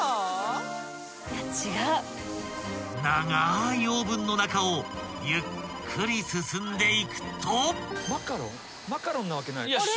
［長いオーブンの中をゆっくり進んでいくと］